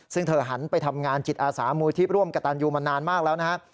ซึ่งเธอหันไปทำงานจิตอาสามูลที่ร่วมกระตันยูมานานมากแล้วนะครับ